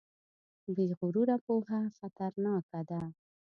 بې غروره پوهه خطرناکه ده.